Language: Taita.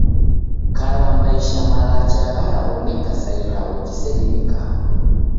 Kala maisha malacha gharaw'oneka sa ilagho jisedimikagha.